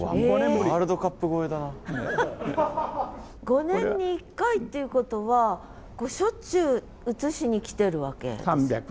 ５年に１回ってことはしょっちゅう写しに来てるわけ？